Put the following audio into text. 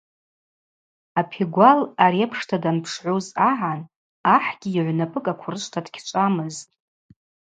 Апегвал ари апшта данпшгӏуз агӏан ахӏгьи йыгӏвнапӏыкӏ акврышвта дыгьчӏвамызтӏ.